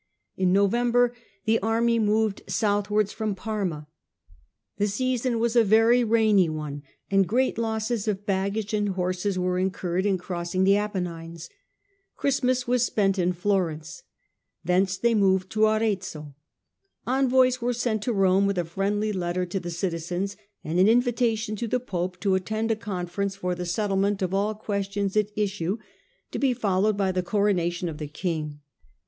In November the army moved southwards from Parma. The season was a very rainy one, and great losses of baggage and horses were incurred in crossing the Apennines. ' Christmas was spent in Florence. Thence they moved to Arezzo. Envoys were sent to Rome with a friendly letter to the citizens, and an invitation to the pope to attend a conference for the settlement of all questions at issue, to be followed by the coronation of the king.